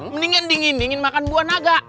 mendingan dingin dingin makan buah naga